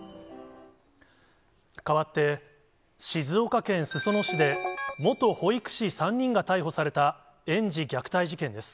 かわって、静岡県裾野市で元保育士３人が逮捕された、園児虐待事件です。